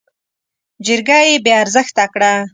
جرګه يې بې ارزښته کړه.